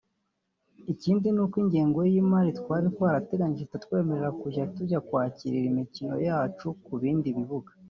Ikindi ni uko ingengo y’imari twari twarateganije itatwemerera kujya tujya kwakirira imikino yacu ku bindi bibuga